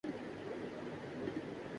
میں بھارت ہوٹ رہا ہوں